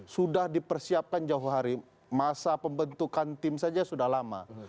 sudah dipersiapkan jauh hari masa pembentukan tim saja sudah lama